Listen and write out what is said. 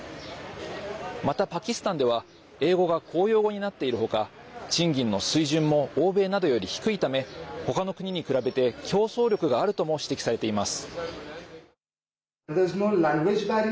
また、パキスタンでは英語が公用語になっている他賃金の水準も欧米などより低いため他の国に比べて競争力があるとも指摘されています。